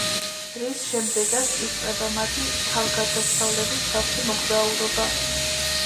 რის შემდეგაც იწყება მათი თავგადასავლებით სავსე მოგზაურობა.